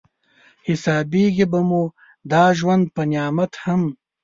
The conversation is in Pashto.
حسابېږي به مو دا ژوند په نعمت هم